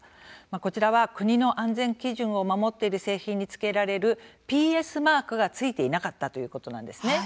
こちらは国の安全基準を守っている製品につけられるＰＳマークがついていなかったということなんです。